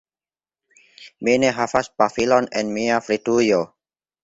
Mi ne havas pafilon en mia fridujo